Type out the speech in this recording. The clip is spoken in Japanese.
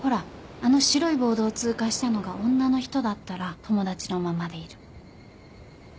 あの白いボードを通過したのが女の人だったら友達のままでいる。